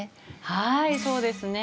はいそうですね。